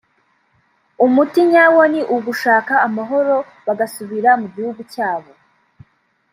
umuti nyawo ni ugushaka amahoro bagasubira mu gihugu cyabo